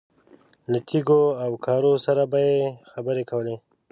له تیږو او ګارو سره به یې خبرې کولې.